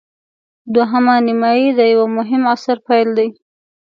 دوهمه نیمايي د یوه مهم عصر پیل دی.